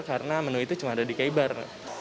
karena menu itu cuma ada di keibar